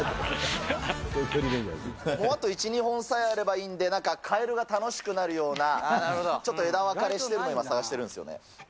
もうあと１、２本さえあればいいんで、なんかカエルが楽しくなるような、ちょっと枝分かれしてるの今探してるんですよね。